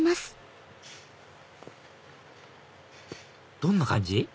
どんな感じ？